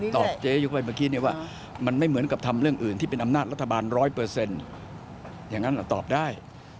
ก็จะเป็นคอนตรรที่จะถอยมากับขั้นตอนต่อไป